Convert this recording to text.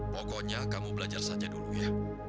pokoknya kamu belajar saja dulu ya